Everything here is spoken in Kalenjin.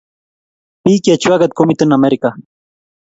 Pik che chwakek komiten America.